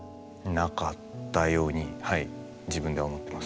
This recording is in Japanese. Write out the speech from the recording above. なかったようにはい自分では思ってます。